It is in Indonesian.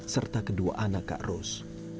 serta kedua anak kak ros